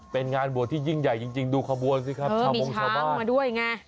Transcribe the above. เป็นงานบวชที่ยิ่งใหญ่จริงดูขมวงไม่มีช้างมาด้วยไง